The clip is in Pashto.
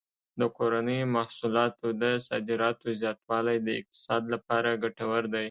د کورنیو محصولاتو د صادراتو زیاتوالی د اقتصاد لپاره ګټور دی.